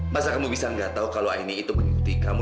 masa kamu bisa nggak tahu kalau ini itu mengikuti kamu